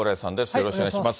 よろしくお願いします。